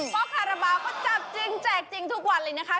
เพราะคาราบาลก็จับจริงแจกจริงทุกวันเลยนะคะ